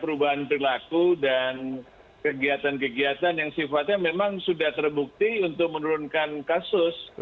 dan juga perubahan berlaku dan kegiatan kegiatan yang sifatnya memang sudah terbukti untuk menurunkan kasus